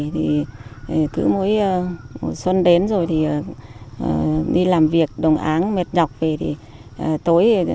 thì cứ mỗi xuân đến rồi thì đi làm việc đồng áng mệt nhọc về thì tối